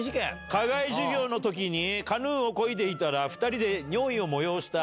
課外授業のときに、カヌーを漕いでいたら、２人で尿意を催した。